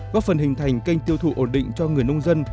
góp phần hình thành kênh tiêu thụ ổn định cho người nông dân